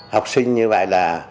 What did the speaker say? học sinh như vậy là